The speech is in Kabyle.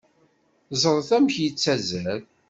Ẓret amek yettazzal!